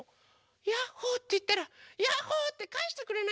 「ヤッホ」っていったら「ヤッホー！」ってかえしてくれなきゃ！